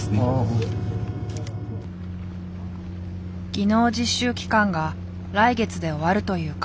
技能実習期間が来月で終わるという彼。